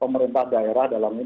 pemerintah daerah dalam ini